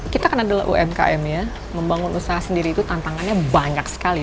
kita kan adalah umkm ya membangun usaha sendiri itu tantangannya banyak sekali